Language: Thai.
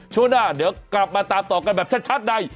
ช่วงหน้าเดี๋ยวกลับมาตามต่อกันแบบชัดใน